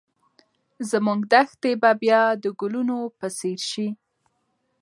زموږ دښتې به بیا د ګلانو په څېر شي.